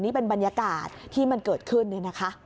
นี่เป็นบรรยากาศที่มันเกิดขึ้นเนี่ยนะคะ